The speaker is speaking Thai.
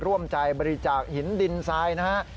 ร่วมใจบริจาคหินดินทรายนะฮะ